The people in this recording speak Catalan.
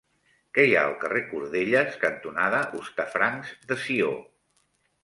Què hi ha al carrer Cordelles cantonada Hostafrancs de Sió?